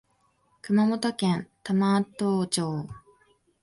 熊本県玉東町